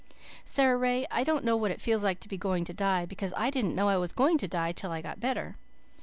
"Sara Ray, I don't know what it feels like to be going to die because I didn't know I was going to die till I got better.